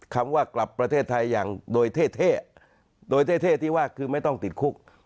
คำว่ากลับประเทศไทยอย่างโดยเท่โดยเท่ที่ว่าคือไม่ต้องติดคุก